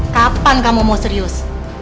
kapan kamu mau serius